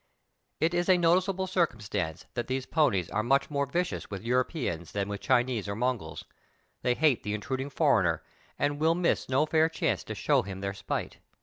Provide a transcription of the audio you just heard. It is a noticeable circumstance that these ponies are much more vicious with Europeans than with Chinese or Mongols; they hate the intruding foreigner and will miss no fair chance to show him their spite.